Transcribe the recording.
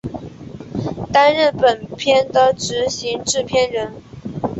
担任本片的执行制片人。